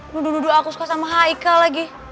nuduh nuduh aku suka sama heikal lagi